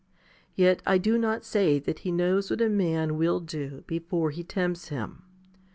1 Yet I do not say that he knows what a man will do before he tempts him.